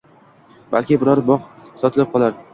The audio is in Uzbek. Balki biror bog‘ sotilib qolar